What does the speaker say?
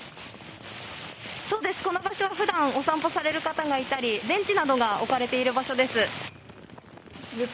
この場所は普段お散歩される方がいたりベンチなどが置かれている場所です。